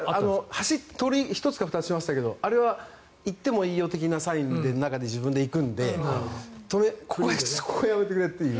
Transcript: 走って盗塁１つか２つしましたがあれは行ってもいいよ的なサインの中で、自分で行くのでここはやめてくれという。